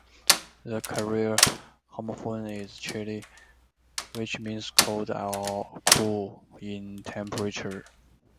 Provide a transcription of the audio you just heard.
The correct homophone is "chilly", which means cold or cool in temperature.